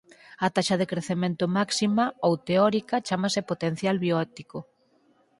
A taxa de crecemento máxima ou teórica chámase potencial biótico.